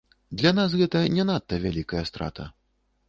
Для нас гэта не надта вялікая страта.